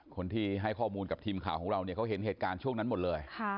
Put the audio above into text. คนที่ให้ข้อมูลกับทีมข่าวของเราเนี่ยเขาเห็นเหตุการณ์ช่วงนั้นหมดเลย